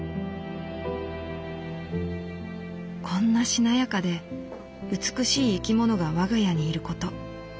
「こんなしなやかで美しい生き物が我が家にいること。